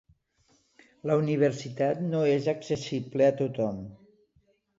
La universitat no és accessible a tothom.